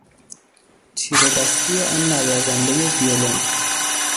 چیرهدستی آن نوازندهی ویولن